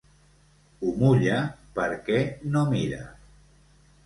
Ho mulla perquè no mira.